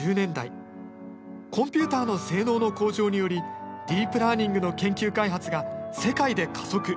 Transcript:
コンピューターの性能の向上によりディープラーニングの研究開発が世界で加速。